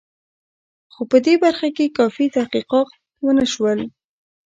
خو په دې برخه کې کافي تحقیقات ونه شول.